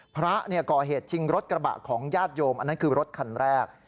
พระก่อเหตุชิงรถกระบะของญาติโยมอันนั้นคือรถคันแรก